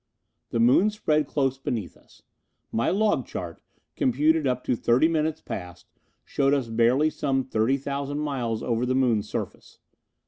The Moon spread close beneath us. My log chart, computed up to thirty minutes past, showed us barely some thirty thousand miles over the Moon's surface.